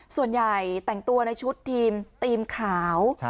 ส่วนใหญ่แต่งตัวในชุดทีมขาว